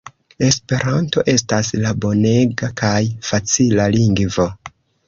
Esperanto estas la bonega kaj facila lingvo.